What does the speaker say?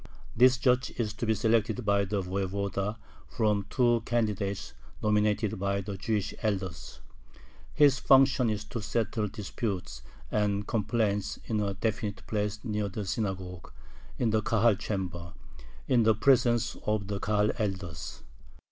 This judge is to be selected by the voyevoda from two candidates nominated by the Jewish elders. His function is to settle disputes and complaints "in a definite place near the synagogue" (in the "Kahal chamber"), in the presence of the Kahal elders.